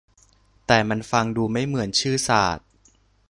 แต่มันฟังดูไม่เหมือนชื่อศาสตร์